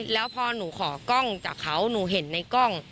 แล้วพอหนูขอกล้องจากเขาหนูเห็นในกล้อง